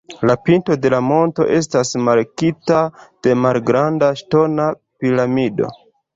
La pinto de la monto estas markita de malgranda ŝtona piramido.